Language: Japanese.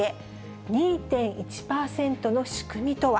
２．１％の仕組みとは。